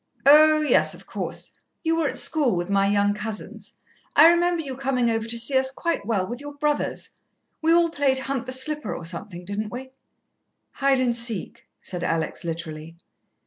"Oh, yes, of course. You were at school with my young cousins. I remember you coming over to see us quite well, with your brothers. We all played hunt the slipper or something, didn't we?" "Hide and seek," said Alex literally.